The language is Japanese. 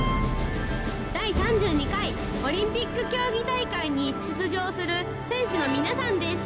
第３２回オリンピック競技大会に出場する選手の皆さんです。